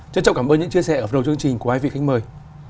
chân trọng cảm ơn những chia sẻ ở phần đầu chương trình của hai vị khách mời